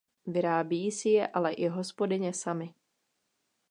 Vyrábí si je ale i hospodyně samy.